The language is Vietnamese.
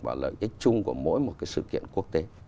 và lợi ích chung của mỗi một cái sự kiện quốc tế